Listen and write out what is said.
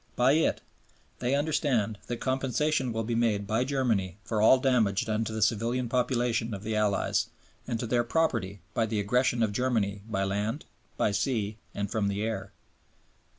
By it they understand that compensation will be made by Germany for all damage done to the civilian population of the Allies and to their property by the aggression of Germany by land, by sea, and from the air."